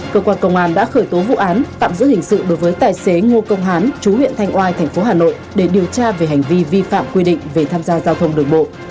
cơ quan công an đã khởi tố vụ án tạm giữ hình sự đối với tài xế ngô công hán chú huyện thanh oai tp hà nội để điều tra về hành vi vi phạm quy định về tham gia giao thông đường bộ